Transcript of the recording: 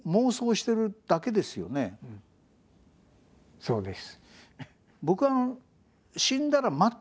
そうです。